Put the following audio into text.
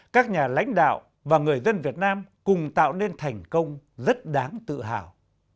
các nhà lãnh đạo và người dân việt nam cùng tạo nên thành công rất đáng tự hào